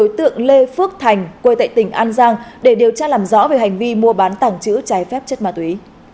đối tượng lê phước thành quê tại tỉnh an giang để điều tra làm rõ về hành vi mua bán tảng chữ trái phép chất ma túy